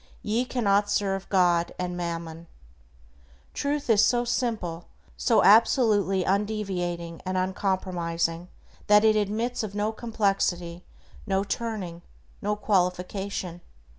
Ye cannot serve God and Mammon." Truth is so simple, so absolutely undeviating and uncompromising that it admits of no complexity, no turning, no qualification.